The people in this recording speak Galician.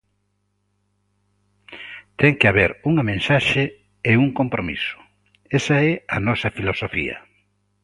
Ten que haber unha mensaxe e un compromiso, esa é a nosa filosofía.